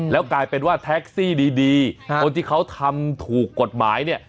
แล้วกลายเป็นว่าแท็กซี่ดีคนที่เขาทำถูกกฎหมายเนี่ย